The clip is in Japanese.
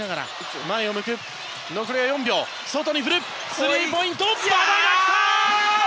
スリーポイント！来た！